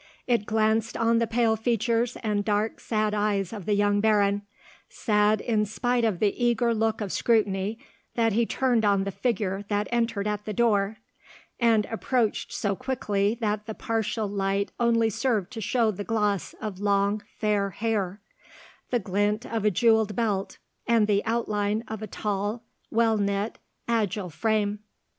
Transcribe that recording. It glanced on the pale features and dark sad eyes of the young Baron, sad in spite of the eager look of scrutiny that he turned on the figure that entered at the door, and approached so quickly that the partial light only served to show the gloss of long fair hair, the glint of a jewelled belt, and the outline of a tall, well knit, agile frame.